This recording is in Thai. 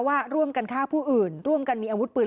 ว่าร่วมกันฆ่าผู้อื่นร่วมกันมีอาวุธปืน